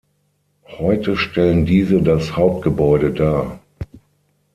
Heute stellen diese das Hauptgebäude dar.